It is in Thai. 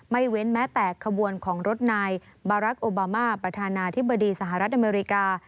เว้นแม้แต่ขบวนของรถนายบารักษ์โอบามาประธานาธิบดีสหรัฐอเมริกา